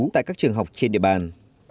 tại các trường học trên địa bàn